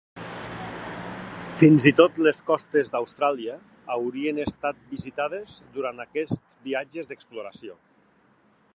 Fins i tot les costes d'Austràlia haurien estat visitades durant aquests viatges d'exploració.